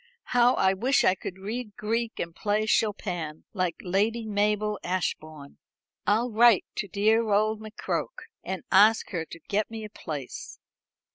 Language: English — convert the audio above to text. How I wish I could read Greek and play Chopin, like Lady Mabel Ashbourne. I'll write to dear old McCroke, and ask her to get me a place."